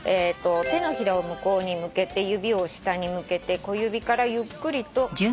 手のひらを向こうに向けて指を下に向けて小指からゆっくりと。